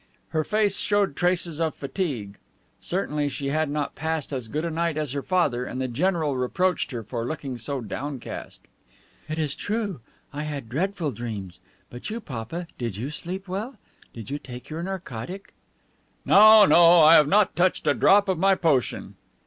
Her face showed traces of fatigue. Certainly she had not passed as good a night as her father, and the general reproached her for looking so downcast. "It is true. I had dreadful dreams. But you, papa, did you sleep well? Did you take your narcotic?" "No, no, I have not touched a drop of my potion."